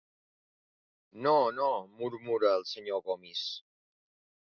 No, no —murmura el senyor Gomis—.